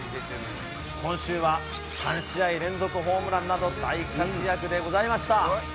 今週は３試合連続ホームランなど、大活躍でございました。